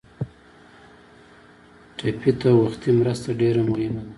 ټپي ته وختي مرسته ډېره مهمه ده.